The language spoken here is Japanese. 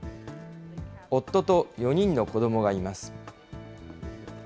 夫と４人の子どもがいます。